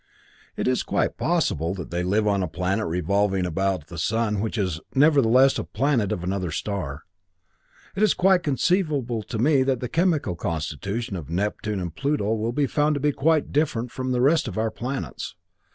It is quite possible that they live on a planet revolving about the sun which is, nevertheless, a planet of another star. It is quite conceivable to me that the chemical constitution of Neptune and Pluto will be found to be quite different from that of the rest of our planets.